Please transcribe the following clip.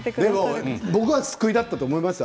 僕は救いだと思いますよ